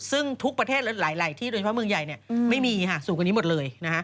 ซึ่งทุกประเทศหลายที่โดยเฉพาะเมืองใหญ่ไม่มีค่ะสูงกว่านี้หมดเลย